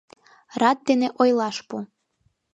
Рат дене ойлаш пу...